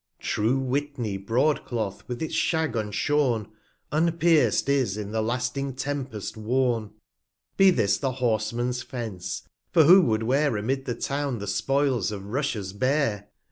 True Witney Broad cloath with it's Shag unshorn, Unpierc'd is in the lasting Tempest worn : Be this the Horse man's Fence; for who would wear Amid the Town the Spoils of Russia's Bear?